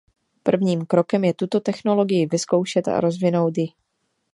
Prvním krokem je tuto technologii vyzkoušet a rozvinout ji.